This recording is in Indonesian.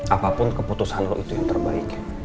apapun keputusan lo itu yang terbaik